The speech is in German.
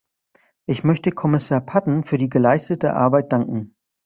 Ich möchte Kommissar Patten für die geleistete Arbeit danken.